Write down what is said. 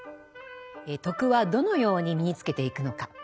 「徳」はどのように身につけていくのか。